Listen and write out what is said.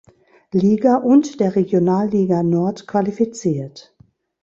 Liga und der Regionalliga Nord qualifiziert.